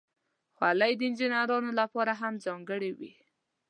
خولۍ د انجینرانو لپاره هم ځانګړې وي.